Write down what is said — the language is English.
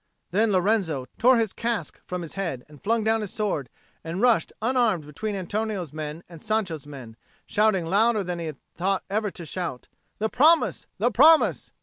Then Lorenzo tore his casque from his head and flung down his sword, and rushed unarmed between Antonio's men and Sancho's men, shouting louder than he had thought ever to shout, "The promise! the promise!"